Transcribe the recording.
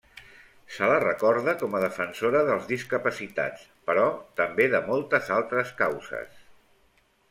Se la recorda com a defensora dels discapacitats, però també de moltes altres causes.